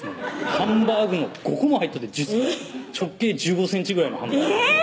ハンバーグの５個も入っとって直径１５ｃｍぐらいのハンバーグえぇ！